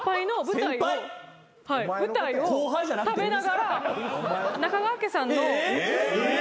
舞台を食べながら中川家さんの。え！？え！？